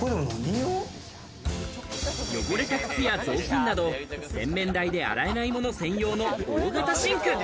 汚れた靴や雑巾など、洗面台で洗えないもの専用の大型シンク。